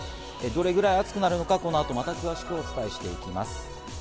どれぐらい暑くなるのか、またこの後、詳しくお伝えしていきます。